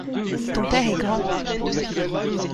Ton père est grand.